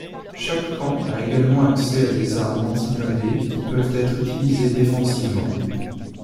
Chaque camp a également accès à des armes anti-blindés qui peuvent être utilisée défensivement.